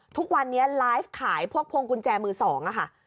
ทุกวันนี้ไลฟ์ขายพวกพวงกุญแจมือสองค่ะ